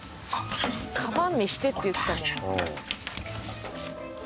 「カバン見して」って言ってたもんな。